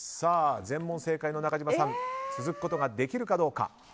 全問正解の中島さん続くことができるかどうか。